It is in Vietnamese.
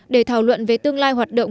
để thảo luận về tương lai hoạt động